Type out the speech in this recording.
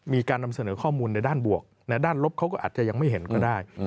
มีการนำเสนอข้อมูลในด้านบวกในด้านลบเขาก็อาจจะยังไม่เห็นก็ได้